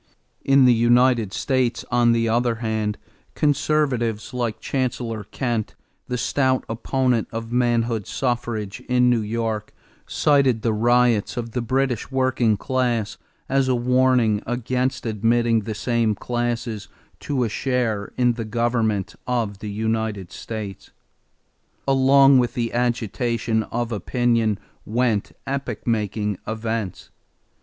In the United States, on the other hand, conservatives like Chancellor Kent, the stout opponent of manhood suffrage in New York, cited the riots of the British working classes as a warning against admitting the same classes to a share in the government of the United States. Along with the agitation of opinion went epoch making events.